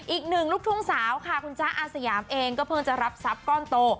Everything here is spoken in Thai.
อีกหนึ่งลูกทุ่งสาวค่ะคุณจ๊ะอาสยามเองก็เพิ่งจะรับทรัพย์ก้อนโต